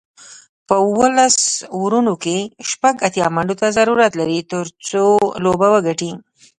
په اوولس اورونو کې شپږ اتیا منډو ته ضرورت لري، ترڅو لوبه وګټي